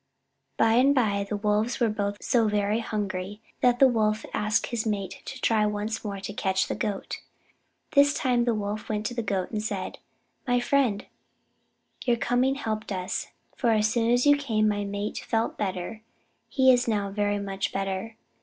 By and by the Wolves were both so very hungry that the Wolf asked his mate to try once more to catch the Goat. This time the Wolf went to the Goat and said: "My friend, your coming helped us, for as soon as you came, my mate felt better. He is now very much better.